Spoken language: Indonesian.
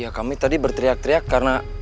ya kami tadi berteriak teriak karena